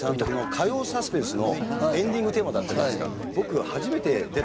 『火曜サスペンス』のエンディングテーマだったじゃないですか。